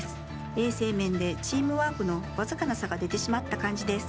衛生面でチームワークの僅かな差が出てしまった感じです。